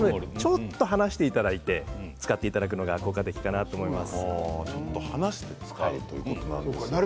ちょっと、離して使っていただくのが効果的と思います。